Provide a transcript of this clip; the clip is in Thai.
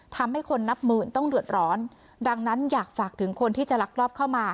ทำให้คนนับหมื่นต้องเดือดร้อนดังนั้นอยากฝากถึงคนที่จะลักลอบเข้ามา